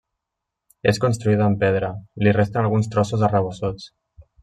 És construïda en pedra, li resten alguns trossos arrebossats.